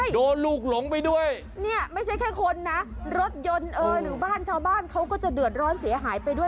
โดนลูกหลงไปด้วยเนี่ยไม่ใช่แค่คนนะรถยนต์เออหรือบ้านชาวบ้านเขาก็จะเดือดร้อนเสียหายไปด้วย